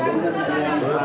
itu harus diatur